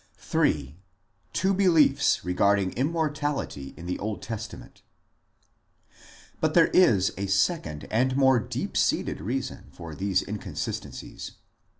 III. Two BELIEFS REGARDING IMMORTALITY nsr THE OLD TESTAMENT But there is a second and more deep seated reason for these inconsistencies.